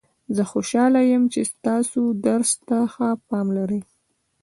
زه خوشحاله یم چې تاسو درس ته ښه پام لرئ